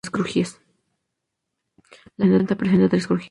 La planta presenta tres crujías.